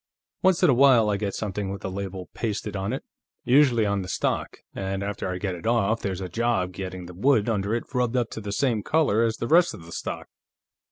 Once in a while I get something with a label pasted on it, usually on the stock, and after I get it off, there's a job getting the wood under it rubbed up to the same color as the rest of the stock."